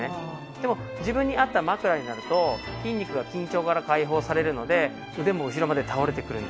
でも自分に合った枕になると筋肉が緊張から解放されるので腕も後ろまで倒れてくるんです。